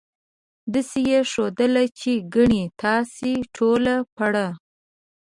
داسې یې ښودله چې ګنې تاسې ټوله پړه.